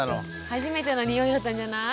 初めてのにおいだったんじゃない？